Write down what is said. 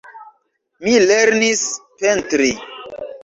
Mi lernis pentri.